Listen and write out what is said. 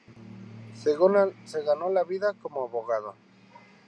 Se ganó la vida como abogado.